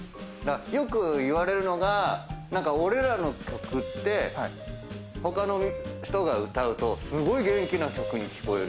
よく言われるのが何か俺らの曲って他の人が歌うとすごい元気な曲に聞こえるって。